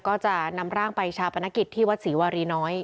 ก็จะนำร่างไปชาวฟายชาพนักศพที่วัดศรีวรีน้อย